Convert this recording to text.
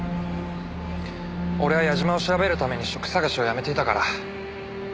俺は矢島を調べるために職探しをやめていたから。